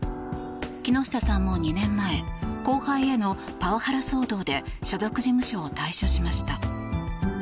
木下さんも２年前後輩へのパワハラ騒動で所属事務所を退所しました。